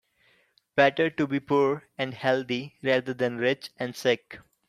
Better to be poor and healthy rather than rich and sick.